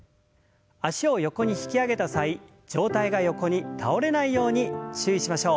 脚を横に引き上げた際上体が横に倒れないように注意しましょう。